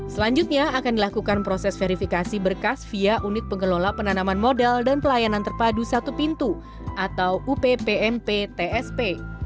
selanjutnya akan dilakukan proses verifikasi berkas via unit pengelola penanaman modal dan pelayanan terpadu satu pintu atau uppmp tsp